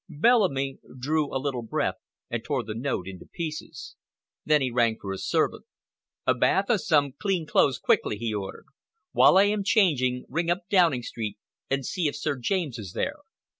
Bellamy drew a little breath and tore the note into pieces. Then he rang for his servant. "A bath and some clean clothes quickly," he ordered. "While I am changing, ring up Downing Street and see if Sir James is there.